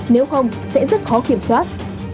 nếu không sẽ rất khó kiểm soát